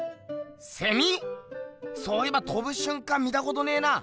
セミ⁉そういえばとぶしゅんかん見たことねえな。